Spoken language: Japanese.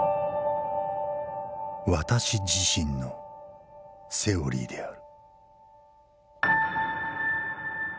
私自身のセオリーである」。